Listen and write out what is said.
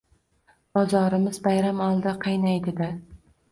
Bozorimiz bayram oldi qaynaydi-da